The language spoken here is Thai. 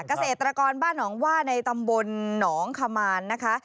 เกษตรกรบ้านหนองว่าในตำบลหนองขมานนะคะ